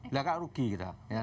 lihat kan rugi kita